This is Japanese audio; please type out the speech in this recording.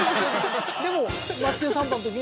でも。